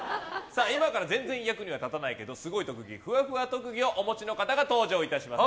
今から全然役には立たないけどすごい特技、ふわふわ特技をお持ちの方が登場いたします。